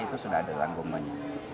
itu sudah ada tanggungannya